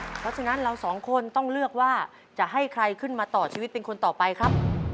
เพราะฉะนั้นเราสองคนต้องเลือกว่าจะให้ใครขึ้นมาต่อชีวิตเป็นคนต่อไปครับ